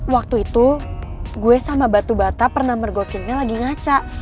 waktu itu gue sama batu bata pernah mergokinnya lagi ngaca